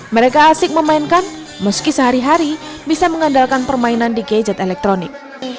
mereka asik memainkan meski sehari hari bisa mengandalkan permainan di gadget elektronik